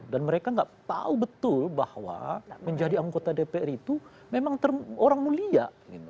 dan mereka gak tahu betul bahwa menjadi anggota dpr itu memang orang mulia